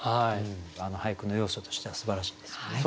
俳句の要素としてはすばらしいですよね。